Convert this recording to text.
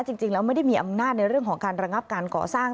จริงแล้วไม่ได้มีอำนาจในเรื่องของการระงับการก่อสร้าง